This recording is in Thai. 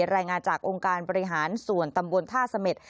รายงานจากองค์การบริหารส่วนตำบลท่าเสม็ด